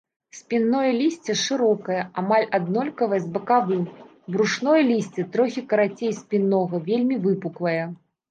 Спінное лісце шырокае, амаль аднолькавае з бакавым, брушное лісце трохі карацей спіннога, вельмі выпуклае.